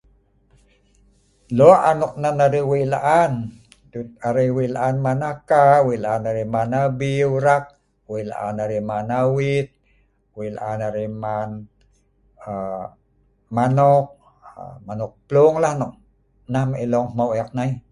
Lok anok nan arai weik laan, dut arai weik laan man aka, weik laan arai man abiu rak, weik laan arai man awit, weik laan arai man manok, manok plung lah. Nah nok elong hmeu eek nai